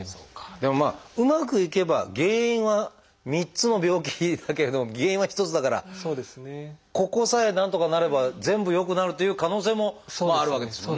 でもまあうまくいけば原因は３つの病気だけれども原因は一つだからここさえなんとかなれば全部良くなるという可能性もあるわけですもんね。